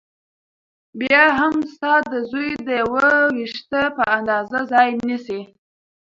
بيا هم ستا د زوى د يوه وېښته په اندازه ځاى نيسي .